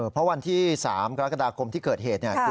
เพราะวันที่๓กรกฎาคมที่เกิดเหตุ